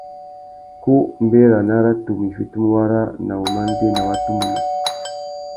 Ku mbérana râ tumu i fitimú wara na wumandēna wa tumu mô.